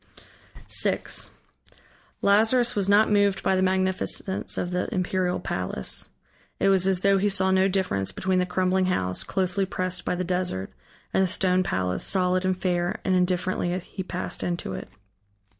VI Lazarus was not moved by the magnificence of the imperial palace. It was as though he saw no difference between the crumbling house, closely pressed by the desert, and the stone palace, solid and fair, and indifferently he passed into it.